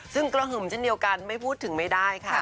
ซึ่งกระหึ่มเช่นเดียวกันไม่พูดถึงไม่ได้ค่ะ